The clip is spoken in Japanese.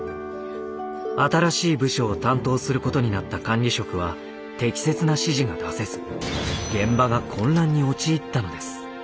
新しい部署を担当することになった管理職は適切な指示が出せず現場が混乱に陥ったのです。